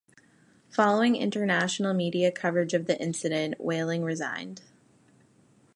Following international media coverage of the incident, Whaling resigned.